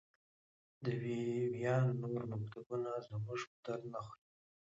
د وي ویان نور مکتوب زموږ په درد نه خوري.